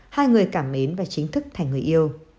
hai người cảm mến và chính thức thành người yêu